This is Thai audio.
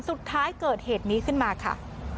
สุดท้ายเกิดเหตุนี้ขึ้นมาค่ะ